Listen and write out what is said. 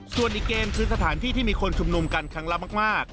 ส่วนอีกเกมคือสถานที่ที่มีคนชุมนุมกันครั้งละมาก